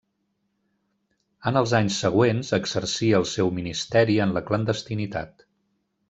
En els anys següents exercí el seu ministeri en la clandestinitat.